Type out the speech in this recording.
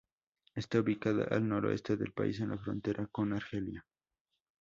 Está ubicada al noroeste del país, en la frontera con Argelia.